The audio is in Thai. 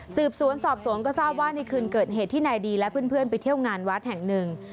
สืบสวนสอบสวนก็ทราบว่าในคืนเกิดเหตุที่นายดีและเพื่อนไปเที่ยวงานวัดแห่งหนึ่ง